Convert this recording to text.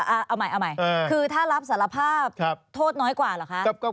อะเอาใหม่คือถ้ารับสอไมภาพโทษน้อยกว่าระคะ